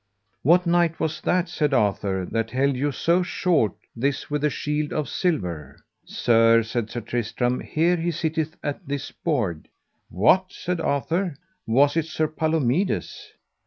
What knight was that, said Arthur, that held you so short, this with the shield of silver? Sir, said Sir Tristram, here he sitteth at this board. What, said Arthur, was it Sir Palomides?